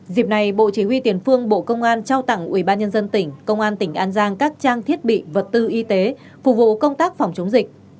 dịp này bộ chỉ huy tiền phương bộ công an trao tặng ubnd tỉnh công an tỉnh an giang các trang thiết bị vật tư y tế phục vụ công tác phòng chống dịch